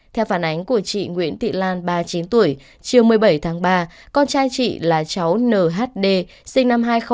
theo phản ánh của chị nguyễn thị lan ba mươi chín tuổi chiều một mươi bảy tháng ba con trai chị là cháu nhd sinh năm hai nghìn một mươi